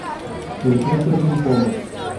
El fruto es un pomo.